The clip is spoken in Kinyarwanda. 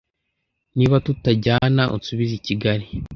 Niba tutajyana unsubize I Kigali”